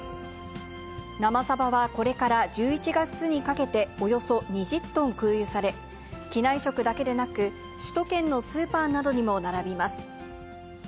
生サバはこれから１１月にかけて、およそ２０トン空輸され、機内食だけでなく、首都圏のスーパーなどにも並びます。